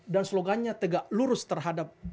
dan slogannya tegak lurus terhadap